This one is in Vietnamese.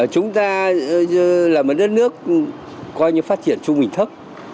chúng ta là một đất nước coi như phát triển trung bình thấp